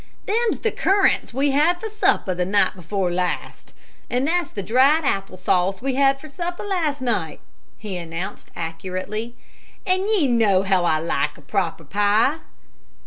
"Them's the currants we had for supper the night before last, and that's the dried apple sauce we had for supper last night," he announced accurately. "An' ye know how I like a proper pie."